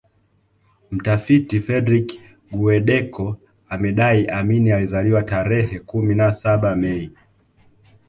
Mtafiti Fred Guweddeko amedai Amin alizaliwa tarehe kumi na saba Mei